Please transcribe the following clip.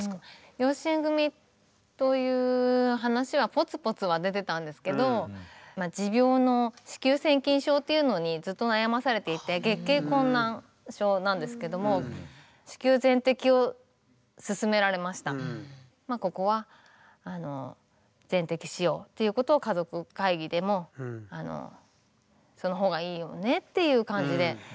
養子縁組という話はポツポツは出てたんですけど持病の月経困難症なんですけどもまあここは全摘しようっていうことを家族会議でもその方がいいよねっていう感じで。